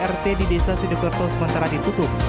rt di desa sidokerto sementara ditutup